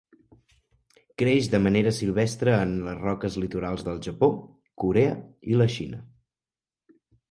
Creix de manera silvestre en les roques litorals del Japó, Corea i la Xina.